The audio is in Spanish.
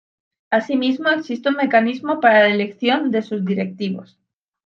Asimismo, existe un mecanismo para la elección de sus directivos.